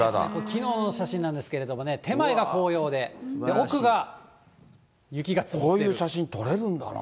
きのうの写真なんですけどもね、手前が紅葉で、こういう写真、撮れるんだな。